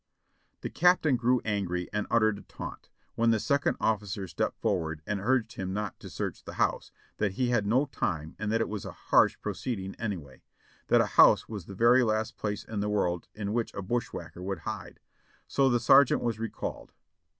The captain grew angry and uttered a taunt, when the second officer stepped forward and urged him not to search the house, that he had no time and that it was a harsh proceeding anyway; that a house was the very last place in the world in which a bush whacker would hide. So the sergeant was recalled.